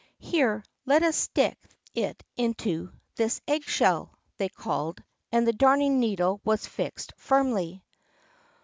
"Here, let us stick it into this egg shell!" they called, and the Darning needle was fixed firmly.